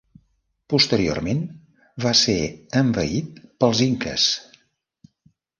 Posteriorment va ser envaït pels inques.